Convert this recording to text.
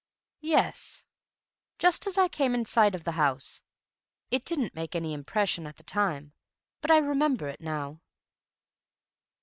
"Yes. Just as I came in sight of the house. It didn't make any impression at the time, but I remember it now."